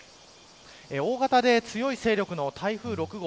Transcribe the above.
大型で強い勢力の台風６号